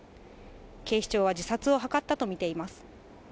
警視庁は、自殺を図ったと見ています。